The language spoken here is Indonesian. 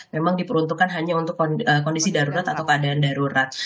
memang diperuntukkan hanya untuk kondisi darurat atau keadaan darurat